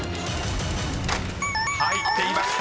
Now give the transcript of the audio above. ［入っていました。